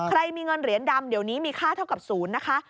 มีเงินเหรียญดำเดี๋ยวนี้มีค่าเท่ากับศูนย์นะคะ